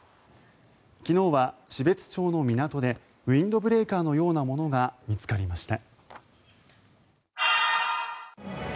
昨日は標津町の港でウィンドブレーカーのようなものが見つかりました。